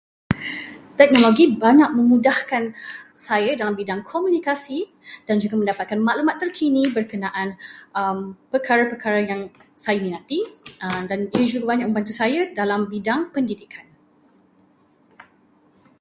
Teknologi banyak memudahkan saya dalam bidang komunikasi dan juga mendapatkan maklumat terkini berkenaan perkara-perkara yang saya minati dan ia juga banyak membantu saya dalam bidang pendidikan.